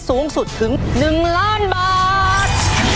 สูงสุดถึง๑ล้านบาท